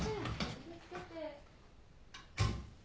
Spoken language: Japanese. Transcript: お気を付けて。